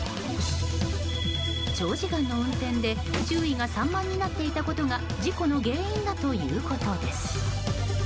長時間の運転で注意が散漫になっていたことが事故の原因だということです。